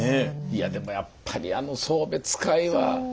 いやでもやっぱりあの送別会は。